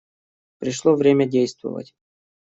Пришло время действовать.